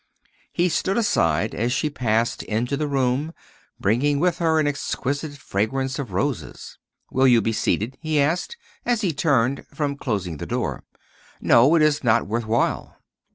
He stood aside as she passed into the room, bringing with her an exquisite fragrance of roses. "Will you be seated?" he asked, as he turned from closing the door. "No; it is not worth while."